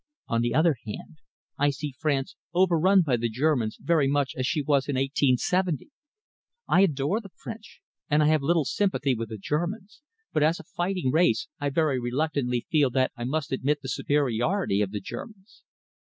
On the other hand, I see France overrun by the Germans very much as she was in 1870. I adore the French, and I have little sympathy with the Germans, but as a fighting race I very reluctantly feel that I must admit the superiority of the Germans.